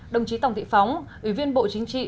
đồng chí tòng thị phóng ủy viên bộ chính trị